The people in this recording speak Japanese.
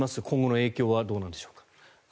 今後の影響はどうなるんでしょうか。